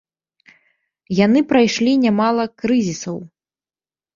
Яны прайшлі нямала крызісаў.